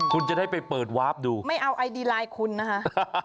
คุณจะได้ไปเปิดวาร์ฟดูไม่เอาไอดีไลน์คุณนะคะ